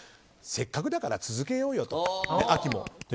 せっかくだから秋も続けようよと。